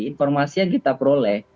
informasi yang kita peroleh